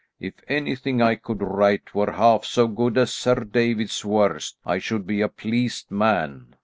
If anything I could write were half so good as Sir David's worst, I should be a pleased man.